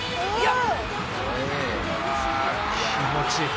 「うわ気持ちいい」